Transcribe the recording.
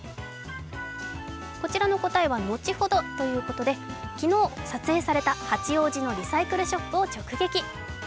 こちらの答えは後ほどということで、昨日、撮影された八王子のリサイクルショップを直撃。